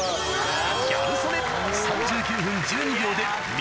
ギャル曽根